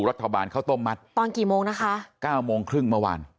รัฐบาลเขาต้มมัดตอนกี่โมงนะคะเก้าโมงครึ่งเมื่อวันอ๋อ